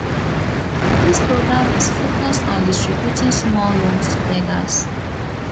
This program is focused on distributing small loans to beggars.